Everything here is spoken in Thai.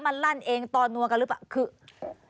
มันลั่นเองตอนนัวกันหรือเปล่าคือ